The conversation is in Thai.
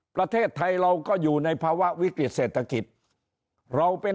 ประเทศไทยเราก็อยู่ในภาวะวิกฤติเศรษฐกิจเราเป็น